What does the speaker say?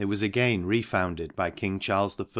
was again, refounded by king Charles I.